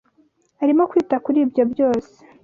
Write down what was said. Arimo kwita kuri ibyo byose.